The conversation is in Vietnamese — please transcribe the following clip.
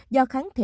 do kháng thể